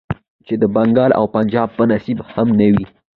چې د بنګال او پنجاب په نصيب هم نه وې.